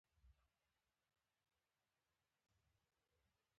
خدمتګار راغی، غلی ودرېد.